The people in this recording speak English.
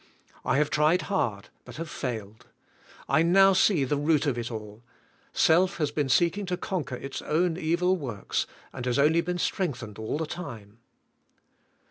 I have tried hard but have failed. I now see the root of it all. Self has been seeking to conquer its own evil works, and has only been strengthened all the time.